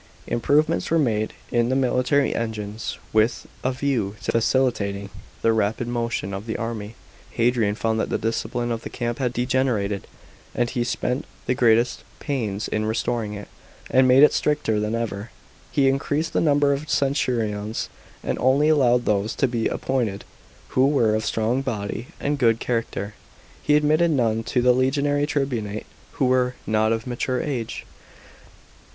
* Improvements were made in the military engines, with a view to facilitating the ra^id motion of the army. Hadrian found that the discipline of the camp had degenerated, and he spent the greatest pains in restoring it, and made it stricter than ever. He increased the number of centurions, and only allowed those to be appointed who were of strong body and good character. He admitted none to the legionary tribunate who were not of mature age.